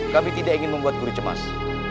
kami tidak ingin membuat guru cemas